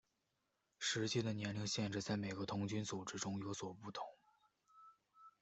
实际的年龄限制在每个童军组织中有所不同。